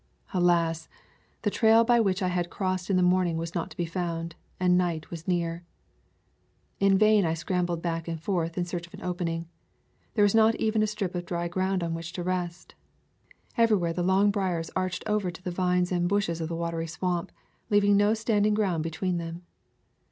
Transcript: Alas! the trail by which I had crossed in the morning was not to be found, and night was near. In vain I scrambled back and forth in search of an opening. There was not even a strip of dry ground on which to rest. Every where the long briers arched over to the vines and bushes of the watery swamp, leaving no standing ground between them.